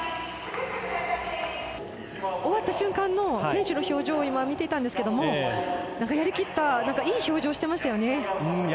終わった瞬間の選手表情を見ていたんですけれど、やりきったいい表情していました。